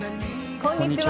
こんにちは。